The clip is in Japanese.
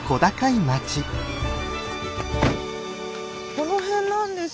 この辺なんですよね。